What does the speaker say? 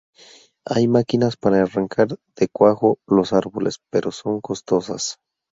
Hay máquinas para arrancar de cuajo los árboles, pero son costosas.